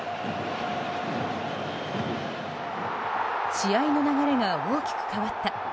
試合の流れが大きく変わった。